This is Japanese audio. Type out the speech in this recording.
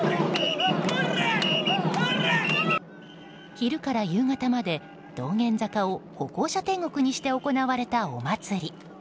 昼から夕方まで道玄坂を歩行者天国にして行われたお祭り。